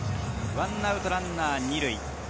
１アウトランナー２塁。